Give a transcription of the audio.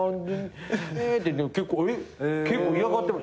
結構嫌がってる。